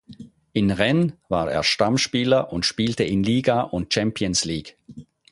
In Rennes war er Stammspieler und spielte in Liga und Champions League.